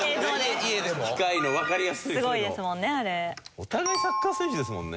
お互いサッカー選手ですもんね。